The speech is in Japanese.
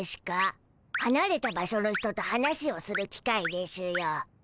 はなれた場所の人と話をするきかいでしゅよ。